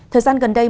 thời gian gần đây